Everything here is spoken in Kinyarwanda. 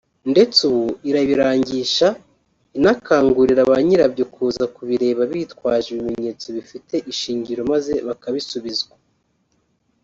ndetse ubu irabirangisha inakangurira ba nyirabyo kuza kubireba bitwaje ibimenyetso bifite ishingiro maze bakabisubizwa